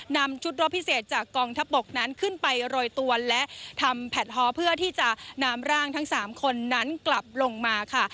นำชุดรบพิเศษจากกองทัพบกนั้นขึ้นไปโรยตัวและทำแพลตฮอล์เพื่อที่จะนำร่างทั้ง๓คนนั้นกลับลงมาค่ะ